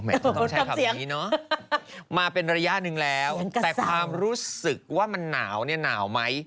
ต้องใช้คำนี้เนอะมาเป็นระยะหนึ่งแล้วแต่ความรู้สึกว่ามันหนาวเนี่ยหนาวไหม